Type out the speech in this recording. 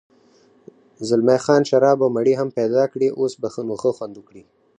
زلمی خان شراب او مڼې هم پیدا کړې، اوس به نو ښه خوند وکړي.